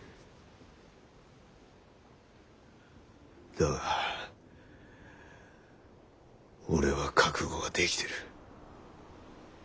だが俺は覚悟ができてる。